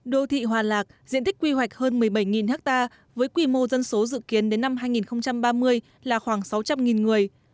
đô thị hòa lạc diện tích quy hoạch hơn một mươi bảy ha với quy mô dân số dự kiến đến năm hai nghìn ba mươi là khoảng sáu trăm linh người